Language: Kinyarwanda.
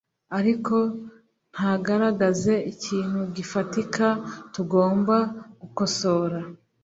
ariko ntagaragaze ikintu gifatika tugomba gukosora